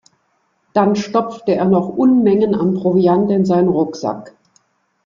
Dann stopfte er noch Unmengen an Proviant in seinen Rucksack.